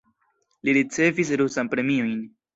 Li ricevis rusan premiojn.